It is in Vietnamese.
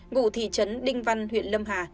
ngụ thị trấn đinh văn huyện lâm hà